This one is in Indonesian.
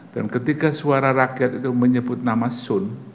dan ketika suara rakyat itu menyebut nama sun